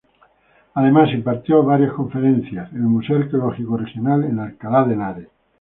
Además, impartió varias conferencias: “El Museo Arqueológico Regional en Alcalá de Henares.